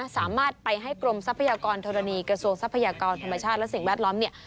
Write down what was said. สามารถไปให้กรมทรัพยากรธรณีกระทรวงทรัพยากรธรรมชาติและสิ่งแวดล้อมเนี่ย